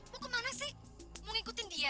mau kemana sih mau ngikutin dia